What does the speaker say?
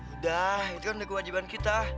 udah itu kan udah kewajiban kita